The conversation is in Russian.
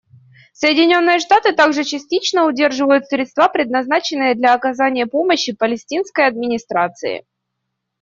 Соединенные Штаты также частично удерживают средства, предназначенные для оказания помощи Палестинской администрации.